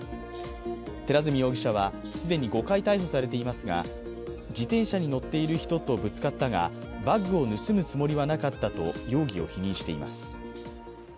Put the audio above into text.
寺墨容疑者は既に５回逮捕されていますが、自転車に乗っている人とぶつかったが、バッグを盗むつもりはなかったと容疑を否認しています。